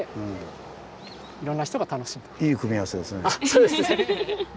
そうですね。